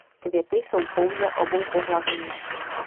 Květy jsou pouze oboupohlavní.